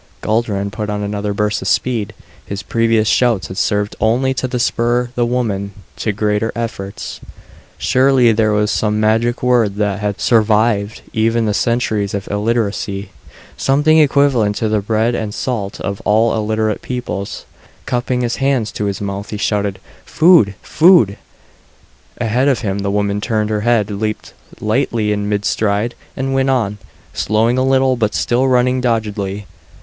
Guldran put on another burst of speed. His previous shouts had served only to spur the woman to greater efforts. Surely there was some magic word that had survived even the centuries of illiteracy. Something equivalent to the "bread and salt" of all illiterate peoples. Cupping his hands to his mouth, he shouted, "Food! food!" Ahead of him the woman turned her head, leaped lightly in mid stride, and went on; slowing a little but still running doggedly.